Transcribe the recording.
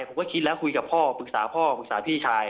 ผมก็คิดแล้วคุยกับพ่อปรึกษาพ่อปรึกษาพี่ชาย